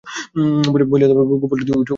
বলিয়া গোপাল উৎসুক দৃষ্টিতে চাহিয়া রহিল।